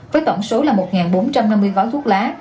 với tổng số là một bốn trăm năm mươi gói thuốc lá